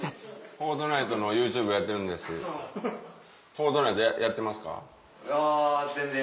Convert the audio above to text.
『フォートナイト』やってますか？